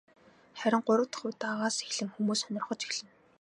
Харин гурав дахь удаагаас эхлэн хүмүүс сонирхож эхэлнэ.